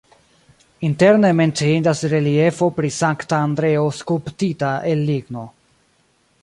Interne menciindas reliefo pri Sankta Andreo skulptita el ligno.